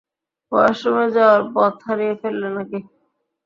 ওয়াশরুমে যাওয়ার পথ হারিয়ে ফেললে নাকি?